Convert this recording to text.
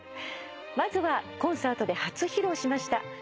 まずはコンサートで初披露しました。